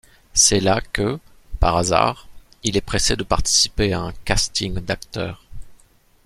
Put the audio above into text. C’est là que, par hasard, il est pressé de participer à un casting d’acteurs.